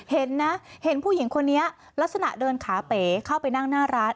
เห็นนะเห็นผู้หญิงคนนี้ลักษณะเดินขาเป๋เข้าไปนั่งหน้าร้าน